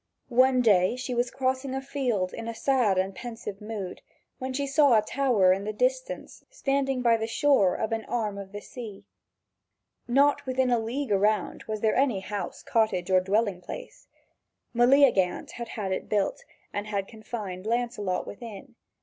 One day she was crossing a field in a sad and pensive mood, when she saw a tower in the distance standing by the shore of an arm of the sea. Not within a league around about was there any house, cottage, or dwelling place. Meleagant had had it built, and had confined Lancelot within.